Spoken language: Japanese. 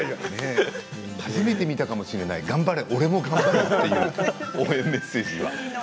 初めて見たかもしれない頑張れ、俺も頑張る！という応援メッセージ。